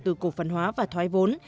từ cổ phần hóa và thoái vốn